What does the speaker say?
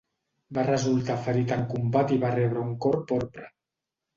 Va resultar ferit en combat i va rebre un Cor porpra.